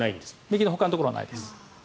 右のほかのところはないです。